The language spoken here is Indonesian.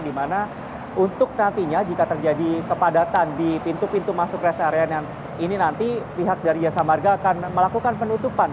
di mana untuk nantinya jika terjadi kepadatan di pintu pintu masuk rest area yang ini nanti pihak dari jasa marga akan melakukan penutupan